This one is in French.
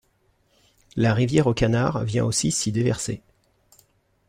La Rivière aux Canards vient aussi s'y déverser.